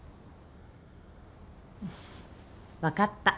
分かった。